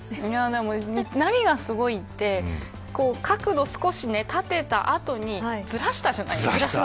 何がすごいって角度を少し立てた後にずらしたじゃないですか。